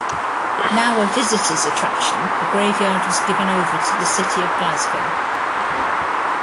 Now a visitors' attraction the graveyard was given over to the city of Glasgow.